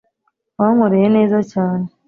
wankoreye neza cyane